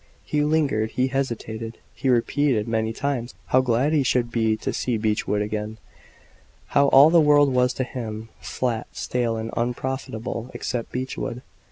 He lingered he hesitated he repeated many times how glad he should be to see Beechwood again; how all the world was to him "flat, stale, and unprofitable," except Beechwood.